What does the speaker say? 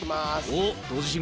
おっ！